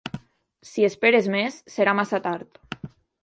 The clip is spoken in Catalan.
Si esperes més, serà massa tard.